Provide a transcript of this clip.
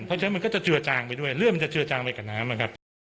เพราะฉะนั้นมันก็จะเจือจางไปด้วยเลือดมันจะเจือจางไปกับน้ำนะครับ